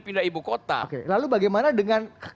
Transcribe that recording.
pindah ibu kota lalu bagaimana dengan